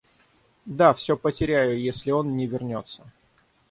Да, всё потеряю, если он не вернется.